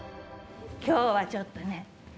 今日はちょっとね